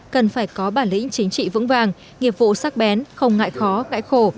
cần phải có bản lĩnh chính trị vững vàng nghiệp vụ sắc bén không ngại khó ngại khổ